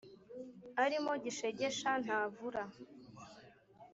arimo gishegesha ntavura» !